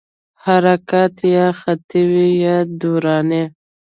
حرکت یا خطي وي یا دوراني.